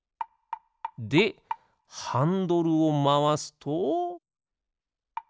でハンドルをまわすと。